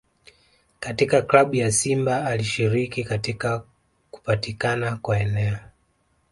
Katika Klabu ya Simba alishiriki katika kupatikana kwa eneo